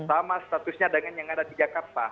sama statusnya dengan yang ada di jakarta